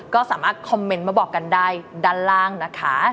ก็สามารถคอมเมนต์มาบอกกันได้ด้านล่างนะคะ